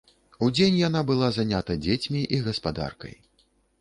Удзень яна была занята дзецьмі і гаспадаркай.